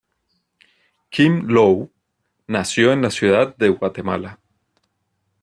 Kim Lou nació en la ciudad de Guatemala.